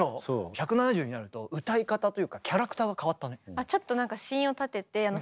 １７０になると歌い方というかキャラクターが変わったね。